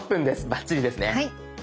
バッチリですね。